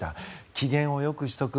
機嫌をよくしておく。